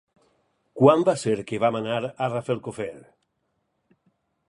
Quan va ser que vam anar a Rafelcofer?